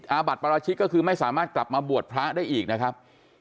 อาบัติปราชิกก็คือไม่สามารถกลับมาบวชพระได้อีกนะครับ